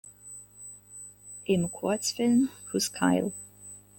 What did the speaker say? Im Kurzfilm "Who's Kyle?